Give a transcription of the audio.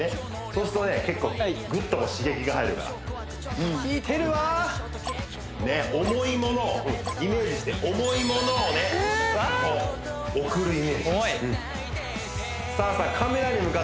そうするとね結構グッと刺激が入るから効いてるわ重いものをイメージして重いものをねこう送るイメージさあさあ